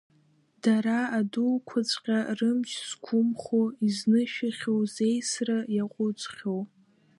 Дара адуқәаҵәҟьа рымч зқәымхо, изнышәахьоу, зеисра иаҟәыҵхьоу…